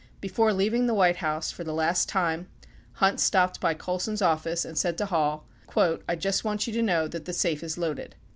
Before leaving the White House for the last time, Hunt stopped by Colson's office and said to Hall, "I just want you to know that that safe is loaded."